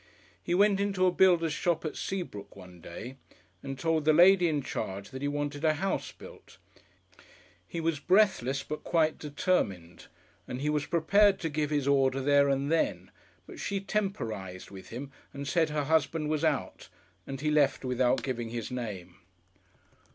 He went into a builder's shop at Seabrook one day, and told the lady in charge that he wanted a house built; he was breathless but quite determined, and he was prepared to give his order there and then, but she temporised with him and said her husband was out, and he left without giving his name.